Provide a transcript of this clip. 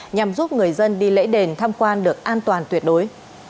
nhằm giúp người dân đi lễ đền tham quan được an toàn tuyệt đối